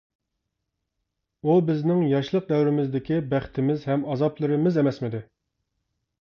ئۇ بىزنىڭ ياشلىق دەۋرىمىزدىكى بەختىمىز ھەم ئازابلىرىمىز ئەمەسمىدى!